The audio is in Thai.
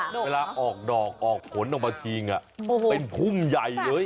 เวลาออกดอกออกผลออกมาทิ้งเป็นพุ่มใหญ่เลย